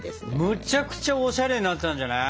むちゃくちゃおしゃれになったんじゃない？